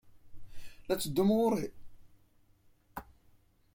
La d-tetteddum ɣer-i?